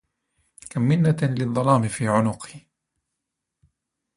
كم منة للظلام في عنقي